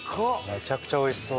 めちゃくちゃおいしそう。